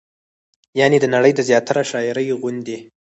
يعنې د نړۍ د زياتره شاعرۍ غوندې